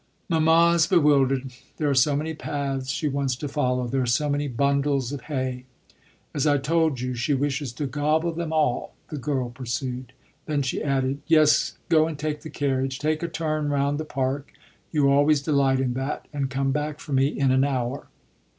"Mamma's bewildered there are so many paths she wants to follow, there are so many bundles of hay. As I told you, she wishes to gobble them all," the girl pursued. Then she added: "Yes, go and take the carriage; take a turn round the Park you always delight in that and come back for me in an hour."